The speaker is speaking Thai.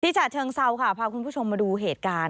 ฉะเชิงเซาค่ะพาคุณผู้ชมมาดูเหตุการณ์